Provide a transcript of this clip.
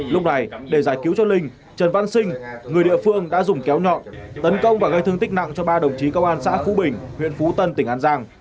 lúc này để giải cứu cho linh trần văn sinh người địa phương đã dùng kéo nhọn tấn công và gây thương tích nặng cho ba đồng chí công an xã phú bình huyện phú tân tỉnh an giang